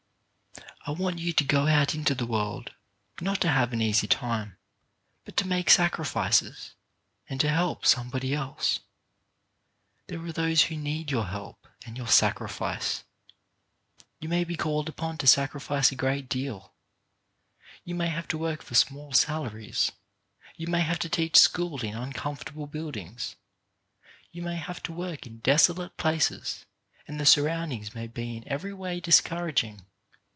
I want you to go out into the world, not to have an easy time, but to make sacrifices, and to help somebody else. There are those who need your help and your sacrifice. You may be called upon to sacrifice a great deal; you may have to work for small salaries ; you may have to teach school in uncomfortable buildings; you may have to work in desolate places, and the sur roundings may be in every way discouraging.